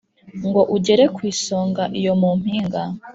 ngo ugere ku isonga iyo mu mpinga